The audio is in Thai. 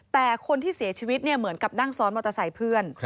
แต่คนที่เสียชีวิตเหมือนกับนั่งซ้อนมอเตอร์ไซค์เพื่อน